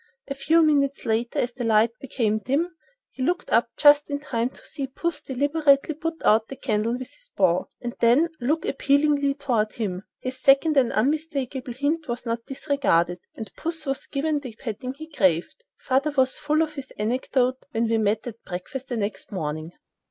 A few minutes later, as the light became dim, he looked up just in time to see puss deliberately put out the candle with his paw, and then look appealingly toward him. This second and unmistakable hint was not disregarded, and puss was given the petting he craved. Father was full of this anecdote when all met at breakfast the next morning.